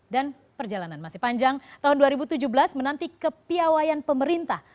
dan perjalanan masih panjang tahun dua ribu tujuh belas menanti kepiawayan pemerintah